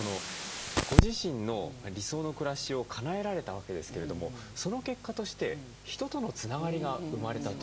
ご自身の理想の暮らしをかなえられたわけですけれどもその結果として人とのつながりが生まれたと。